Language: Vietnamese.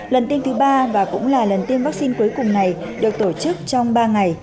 lần tiêm thứ ba và cũng là lần tiêm vaccine cuối cùng này được tổ chức trong ba ngày